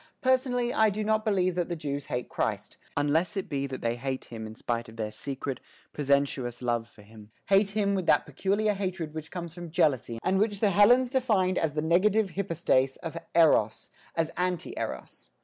Personally, I do not believe that the Jews hate Christ, unless it be that they hate Him in spite of their secret, presensuous love for Him, hate Him with that peculiar hatred which comes from jealousy and which the Hellenes defined as the negative hypostase of Eros, as anti Eros.